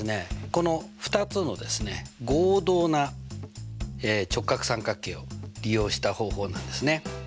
この２つの合同な直角三角形を利用した方法なんですね。